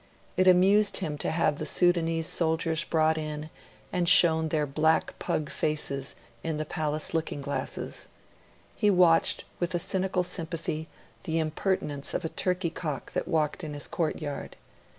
It amused him to have the Sudanese soldiers brought in and shown their 'black pug faces' in the palace looking glasses. He watched with a cynical sympathy the impertinence of a turkey cock that walked in his courtyard.